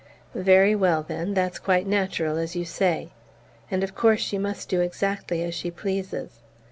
"Very well, then: that's quite natural, as you say. And of course she must do exactly as she pleases."